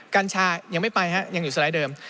กัญชายังไม่ไปฮะยังอยู่สไลด์เดิม